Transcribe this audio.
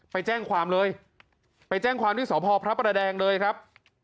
ไปแจ้งความเลยไปแจ้งความที่สพพระประแดงเลยครับ